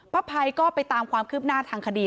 ภัยก็ไปตามความคืบหน้าทางคดี